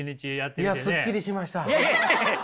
いやすっきりしました。